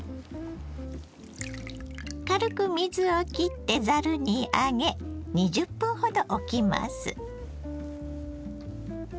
軽く水をきってざるに上げ２０分ほどおきます。